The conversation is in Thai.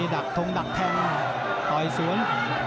ดักทงดักแทงต่อยสวน